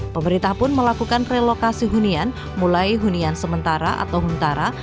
pemerintah pun melakukan relokasi hunian mulai hunian sementara atau huntara